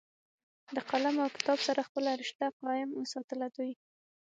د قلم او کتاب سره خپله رشته قائم اوساتله دوي